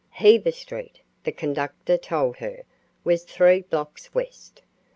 Heaver street, the conductor told her, was three blocks east.